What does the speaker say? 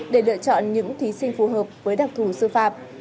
để lựa chọn những thí sinh phù hợp với đặc thù sư phạm